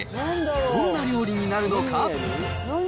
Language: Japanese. どんな料理になるのか。